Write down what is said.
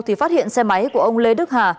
thì phát hiện xe máy của ông lê đức hà